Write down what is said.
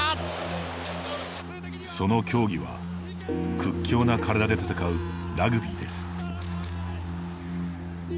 その競技は屈強な体で戦うラグビーです。